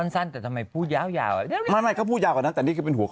สั้นแต่ทำไมพูดยาวยาวไม่เขาพูดยาวกว่านั้นแต่นี่คือเป็นหัว